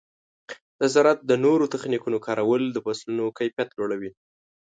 د زراعت د نوو تخنیکونو کارول د فصلونو کیفیت لوړوي.